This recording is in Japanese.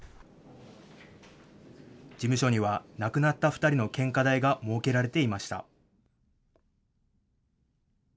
事務所には亡くなった２人の献花台が設けられていました。